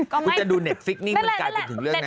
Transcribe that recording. กูเป็นคนจะดูเน็ตฟิกนี่มันกลายเป็นถึงเรื่องนั้น